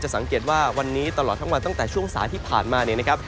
สังเกตว่าวันนี้ตลอดทั้งวันตั้งแต่ช่วงสายที่ผ่านมาเนี่ยนะครับ